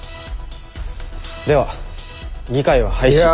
では議会は廃止。